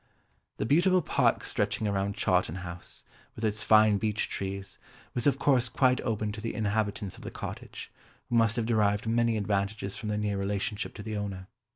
The beautiful park stretching around Chawton House, with its fine beech trees, was of course quite open to the inhabitants of the cottage, who must have derived many advantages from their near relationship to the owner.